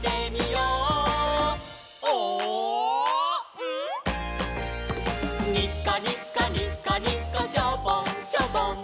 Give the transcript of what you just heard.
「にこにこにこにこ」「しょぼんしょぼん」